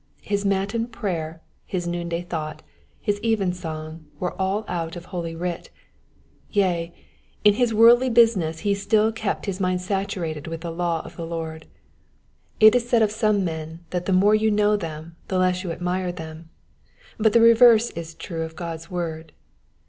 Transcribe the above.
His matin prayer, his noonday thought, his even song were all out of Holy Writ ; yea, in his worldly business he still kept his mind saturated with the law of the Lord. It is said of some men that the more you know them the less you admire them ; but the reverse is true of God's word.